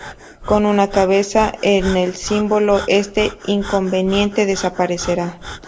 Con una 'cabeza' en el símbolo, este inconveniente desaparecerá".